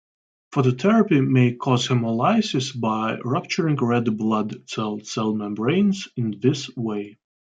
Phototherapy may cause hemolysis by rupturing red blood cell cell membranes in this way.